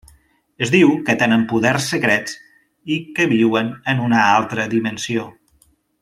Es diu que tenen poders secrets i que viuen en una altra dimensió.